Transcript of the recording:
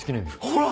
ほら！